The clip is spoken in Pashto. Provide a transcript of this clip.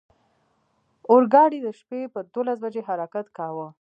اورګاډی د شپې پر دولس بجې حرکت کاوه.